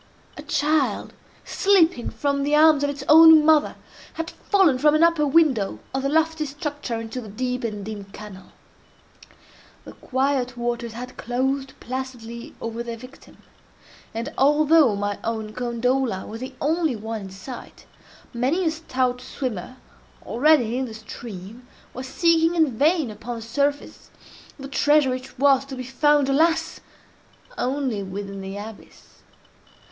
A child, slipping from the arms of its own mother, had fallen from an upper window of the lofty structure into the deep and dim canal. The quiet waters had closed placidly over their victim; and, although my own gondola was the only one in sight, many a stout swimmer, already in the stream, was seeking in vain upon the surface, the treasure which was to be found, alas! only within the abyss.